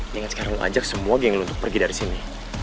ingat sekarang lo ajak semua geng lo untuk pergi dari sini